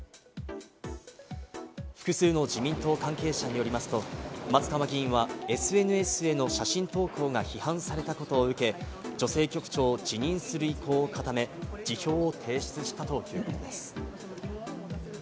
複数の自民党関係者によりますと、松川議員はＳＮＳへの写真投稿が批判されたことを受け、女性局長を辞任する意向を固め、辞表を提出したということです。